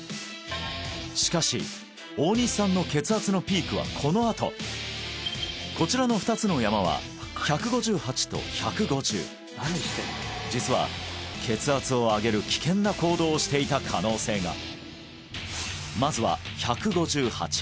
しかし大西さんの血圧のピークはこのあとこちらの２つの山は１５８と１５０実は血圧を上げる危険な行動をしていた可能性がまずは１５８